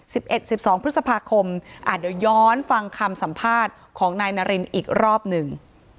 สิบเอ็ดสิบสองพฤษภาคมอ่าเดี๋ยวย้อนฟังคำสัมภาษณ์ของนายนารินอีกรอบหนึ่ง